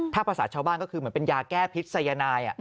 ถ้าภาษาชาวบ้านก็คือเหมือนเป็นยาแก้พิษยนาย